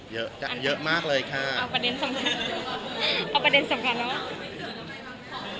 เยอะจ้ะเยอะมากเลยค่ะเอาประเด็นสำคัญเอาประเด็นสำคัญเนอะ